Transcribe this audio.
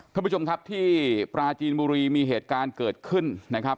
ท่านผู้ชมครับที่ปราจีนบุรีมีเหตุการณ์เกิดขึ้นนะครับ